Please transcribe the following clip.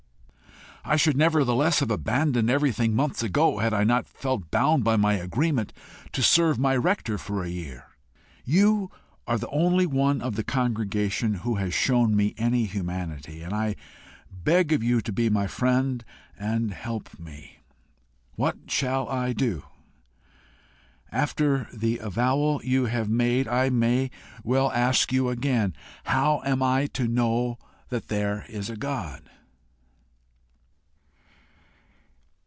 I should nevertheless have abandoned everything months ago, had I not felt bound by my agreement to serve my rector for a year. You are the only one of the congregation who has shown me any humanity, and I beg of you to be my friend and help me. What shall I do? After the avowal you have made, I may well ask you again, How am I to know that there is a God?"